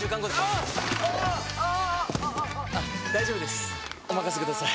ニャー大丈夫ですおまかせください！